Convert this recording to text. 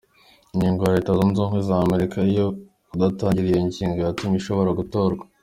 Ingingo ya leta zunze Ubumwe za Amerika yo kudatangira iyo ngingo, yatumye ishobora gutorwa.